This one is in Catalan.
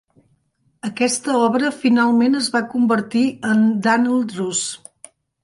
Aquesta obra finalment es va convertir en "Dan'l Druce".